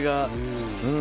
うん！